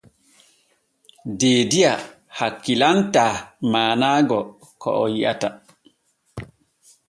Deediya hakkilantaa maanaho ko o yi’ata.